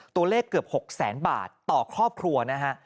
ตัวเลขเกือบ๖แสนบาทต่อครอบครัวนะฮะ